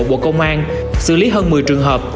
bộ công an xử lý hơn một mươi trường hợp